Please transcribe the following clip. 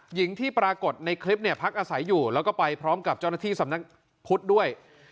หญิงที่ปรากฏในคลิปเนี่ยพักอาศัยอยู่แล้วก็ไปพร้อมกับเจ้าหน้าที่สำนักพุทธด้วย